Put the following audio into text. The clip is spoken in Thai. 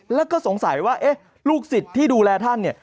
แล้วก็สงสัยว่าลูกศิษย์ที่ดูแลท่านเนี่ย